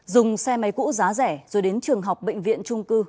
dùng xe máy cũ giá rẻ rồi đến trường học bệnh viện trung cư